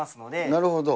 なるほど。